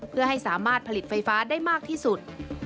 เพื่อให้สามารถผลิตไฟฟ้าได้มากที่สุด